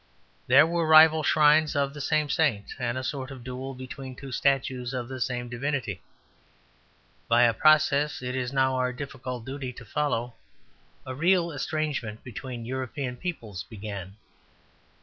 There were rival shrines of the same saint, and a sort of duel between two statues of the same divinity. By a process it is now our difficult duty to follow, a real estrangement between European peoples began.